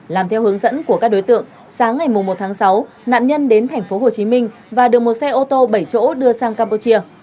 làm theo hướng dẫn của các đối tượng sáng ngày một tháng sáu nạn nhân đến thành phố hồ chí minh và được một xe ô tô bảy chỗ đưa sang campuchia